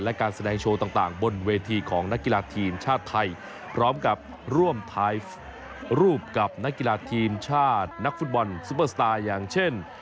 และการแสดงโชว์ต่างบนเวทีของนักกีฬาทีมชาติไทยรวมท้ายรูปกับนักกีฬาทีมชาตินักฟุตบอลยังเช่น